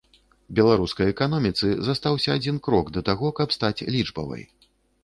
Беларускай эканоміцы застаўся адзін крок да таго, каб стаць лічбавай.